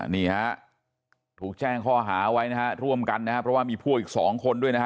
นี่ฮะถูกแจ้งข้อหาไว้นะฮะร่วมกันนะครับเพราะว่ามีพวกอีกสองคนด้วยนะฮะ